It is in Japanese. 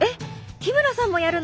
日村さんもやるの！？